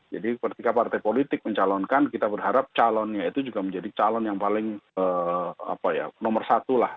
jadi ketika partai politik mencalonkan kita berharap calonnya itu juga menjadi calon yang paling nomor satu lah